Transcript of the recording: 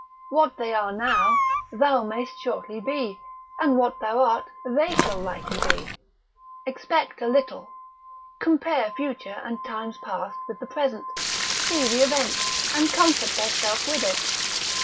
What they are now, thou mayst shortly be; and what thou art they shall likely be. Expect a little, compare future and times past with the present, see the event, and comfort thyself with it.